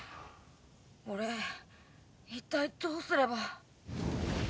俺一体どうすれば。